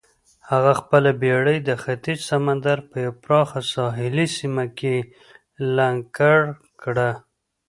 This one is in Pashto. هغه خپله بېړۍ د ختیځ سمندر په یوه پراخه ساحلي سیمه کې لنګر کړه.